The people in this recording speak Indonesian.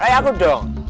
kayak aku dong